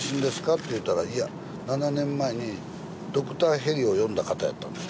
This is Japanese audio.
って言ったらいや、７年前にドクターヘリを呼んだ方やったんです。